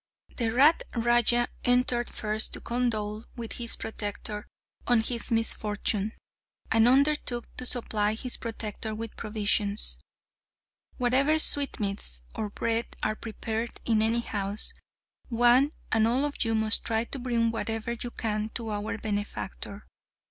The rat raja entered first to condole with his protector on his misfortune, and undertook to supply his protector with provisions. "Whatever sweetmeats or bread are prepared in any house, one and all of you must try to bring whatever you can to our benefactor.